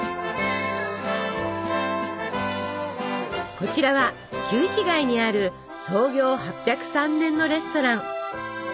こちらは旧市街にある創業８０３年のレストラン。